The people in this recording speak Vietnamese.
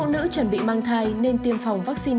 nữ chuẩn bị mang thai nên tiêm phòng vaccine